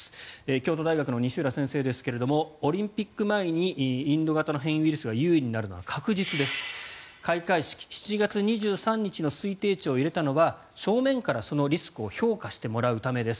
京都大学の西浦先生ですがオリンピック前にインド型の変異ウイルスが優位になるのは確実です開会式、７月２３日の推定値を入れたのは正面からそのリスクを評価してもらうためです。